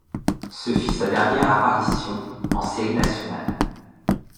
Ce fut sa dernière apparition en séries nationales.